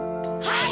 はい！